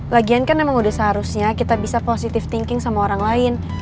lagian kan emang udah seharusnya kita bisa positive thinking sama orang lain